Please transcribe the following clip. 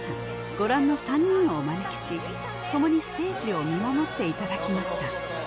ご覧の三人をお招きし共にステージを見守っていただきました